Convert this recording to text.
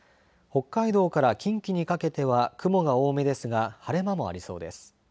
北海道から近畿にかけては雲が多めですが晴れ間もありそうです。